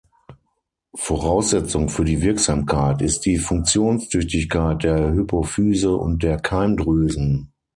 Voraussetzung für die Wirksamkeit ist die Funktionstüchtigkeit der Hypophyse und der Keimdrüsen.